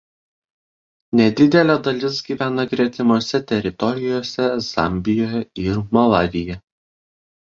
Nedidelė dalis gyvena gretimose teritorijose Zambijoje ir Malavyje.